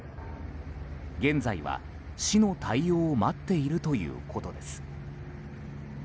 現在は市の対応を待っているということです。